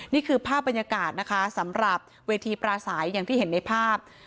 นี่คือภาพบรรยากาศนะคะสำหรับเวทีปราศัยอย่างที่เห็นในภาพ